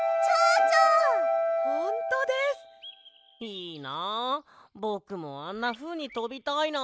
いいなぼくもあんなふうにとびたいな。